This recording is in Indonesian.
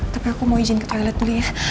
tapi aku mau izin ke toilet beli ya